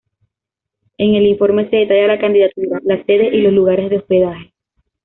En el informe, se detalla la candidatura, las sedes y los lugares de hospedaje.